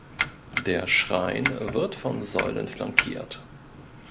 Der Schrein wird von Säulen flankiert.